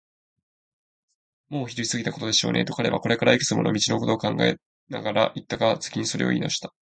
「もうお昼を過ぎたことでしょうね」と、彼はこれからいくつもりの道のことを考えながらいったが、次にそれをいいなおした。